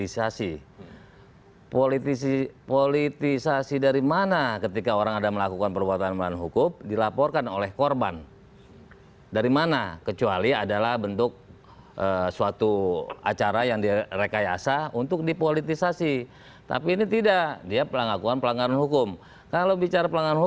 justru kami melihat dari nilai hukumnya ada kesengajaan